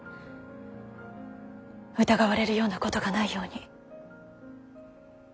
疑われるようなことがないように。